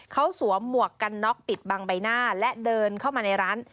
เขาสวมหมวกกันน็อกปิดบังใบหน้าและเดินเข้ามาในร้าน